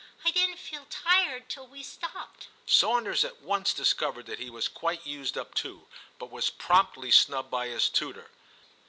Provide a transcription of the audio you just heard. I didn't feel tired till we stopped.' Sawnders at once discovered that he was quite used up too, but was promptly snubbed by his tutor.